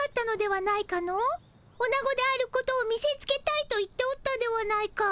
オナゴであることを見せつけたいと言っておったではないか。